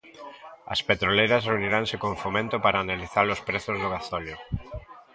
As petroleiras reuniranse con Fomento para analiza-los prezos do gasóleo